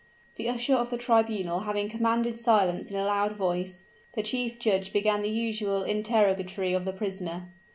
The usher of the tribunal having commanded silence in a loud voice, the chief judge began the usual interrogatory of the prisoner.